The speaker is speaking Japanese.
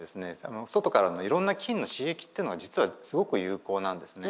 外からのいろんな菌の刺激っていうのは実はすごく有効なんですね。